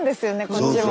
こっちも。